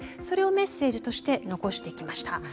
それをメッセージとして残してきました。